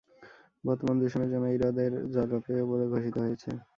বর্তমানে দূষণের জন্য এই হ্রদের জল অপেয় বলে ঘোষিত হয়েছে।